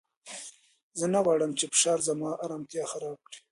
زه نه غواړم چې فشار زما ارامتیا خراب کړي.